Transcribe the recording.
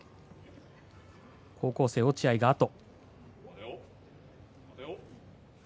高校生の落合があと。